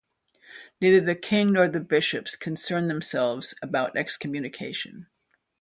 Neither the king nor the bishops concerned themselves about the excommunication.